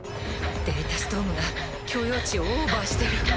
データストームが許容値をオーバーしてる。